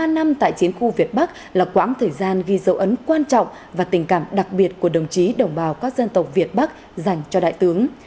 một mươi năm năm tại chiến khu việt bắc là quãng thời gian ghi dấu ấn quan trọng và tình cảm đặc biệt của đồng chí đồng bào các dân tộc việt bắc dành cho đại tướng